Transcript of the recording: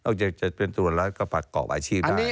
อยากจะเป็นตัวแล้วก็ประกอบอาชีพได้